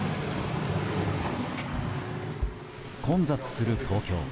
混雑する東京。